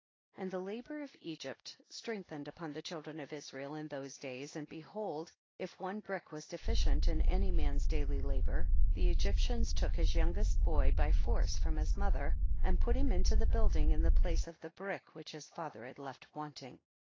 7. And the labor of Egypt strength ened upon the children of Israel in those days, and behold if one brick was deficient in any man's daily la bor, the Egyptians took his youngest boy by force from his mother, and put him into the building in the place of the brick which his father had left wanting.